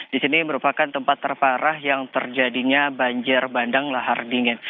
di sini merupakan tempat terparah yang terjadinya banjir bandang lahar dingin